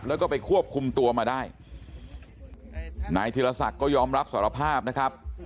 แล้วก็ไปควบคุมตัวมาได้นายธีรศักดิ์ก็ยอมรับสารภาพนะครับ